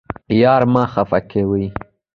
یار مه خفه کوئ